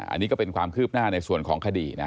อันนี้ก็เป็นความคืบหน้าในส่วนของคดีนะ